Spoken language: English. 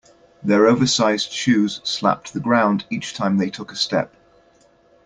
Their oversized shoes slapped the ground each time they took a step.